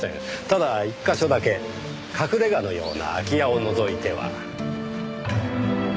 ただ１カ所だけ隠れ家のような空き家を除いては。